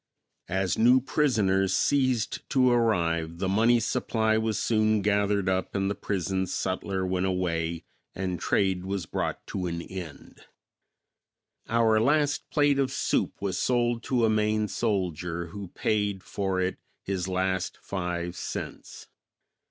As new prisoners ceased to arrive the money supply was soon gathered up and the prison sutler went away and trade was brought to an end. [Illustration: A DREAM] Our last plate of soup was sold to a Maine soldier who paid for it his last five cents.